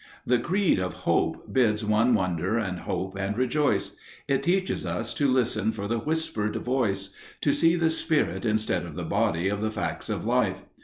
The creed of hope bids one wonder and hope and rejoice, it teaches us to listen for the whispered voice, to see the spirit instead of the body of the facts of life.